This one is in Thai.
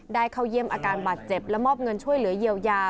เข้าเยี่ยมอาการบาดเจ็บและมอบเงินช่วยเหลือเยียวยา